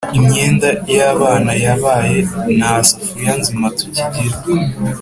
imyenda y’abana yabaye! Nta safuriya nzima tukigira